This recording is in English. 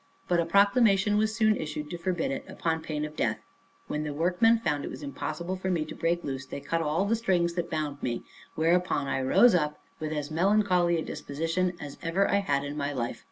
But a proclamation was soon issued to forbid it, upon pain of death. When the workmen found it was impossible for me to break loose, they cut all the strings that bound me; whereupon I rose up with as melancholy a disposition as ever I had in my life.